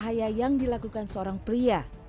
bahaya yang dilakukan seorang pria